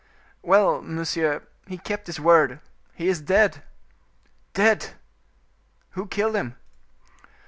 "Well, monsieur, he kept his word. He is dead!" "Dead! Who killed him?"